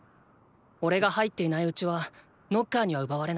おれが入っていないうちはノッカーには奪われない。